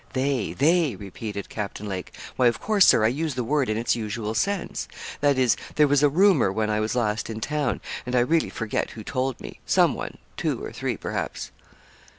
'They they,' repeated Captain Lake. 'Why, of course, Sir, I use the word in its usual sense that is, there was a rumour when I was last in town, and I really forget who told me. Some one, two, or three, perhaps.'